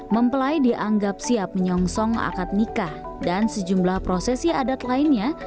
mempelai dianggap siap menyongsong akad nikah dan sejumlah prosesi adat lainnya